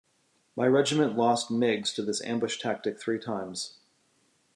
My regiment lost MiGs to this ambush tactic three times.